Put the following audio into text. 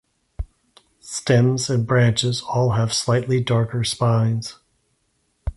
Stems and branches all have slightly darker spines.